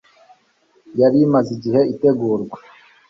yari imaze igihe itegurwa